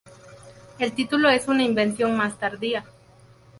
El título es una invención más tardía.